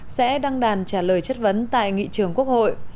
sẽ đăng đàn trả lời chất vấn tại nghị trường quốc hội